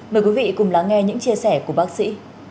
mời quý vị cùng lắng nghe những chia sẻ của bác sĩ